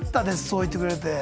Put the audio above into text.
そう言ってくれて。